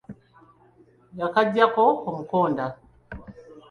Yakaggyako omukonda.